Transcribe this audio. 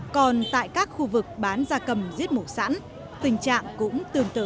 còn tại các khu vực bán gia cầm giết mổ sẵn tình trạng cũng tương tự